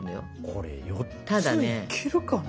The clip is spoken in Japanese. これ４ついけるかな？